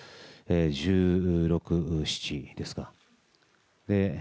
１６、７ですか。